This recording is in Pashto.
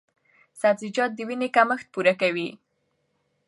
سبزیجات د وینې کمښت پوره کوي۔